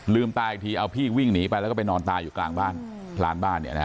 ลืมตายอีกทีเอาพี่วิ่งหนีไปแล้วก็ไปนอนตายอยู่กลางบ้าน